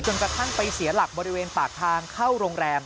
กระทั่งไปเสียหลักบริเวณปากทางเข้าโรงแรม